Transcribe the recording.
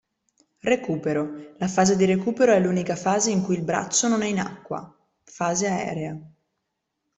Recupero: La fase di recupero è l'unica fase in cui il braccio non è in acqua (fase aerea).